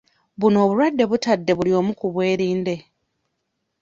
Buno obulwadde butadde buli omu ku bwerinde.